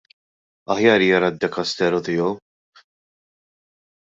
Aħjar jara d-dekasteru tiegħu.